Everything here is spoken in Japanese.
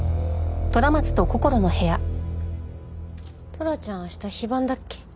トラちゃん明日非番だっけ？